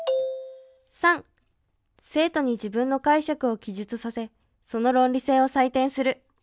生徒に自分の解釈を記述させその論理性を採点する。